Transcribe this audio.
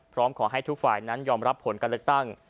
พร้อมขอให้ทุกฝ่ายนั้นยอมรับผลการเลือกตั้ง